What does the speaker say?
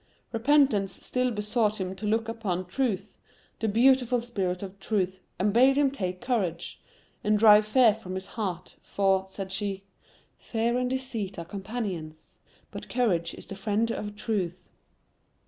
Repentance still besought him to look upon Truth, the beautiful spirit of Truth, and bade him take Courage, and drive Fear from his heart; for, said she, "Fear and Deceit are companions, but Courage is the friend of Truth."